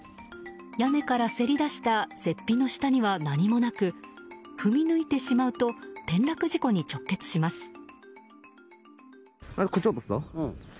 屋根からせり出した雪庇の下には何もなく踏み抜いてしまうと転落事故に直結します。